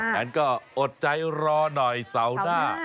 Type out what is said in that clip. งั้นก็อดใจรอหน่อยเสาหน้า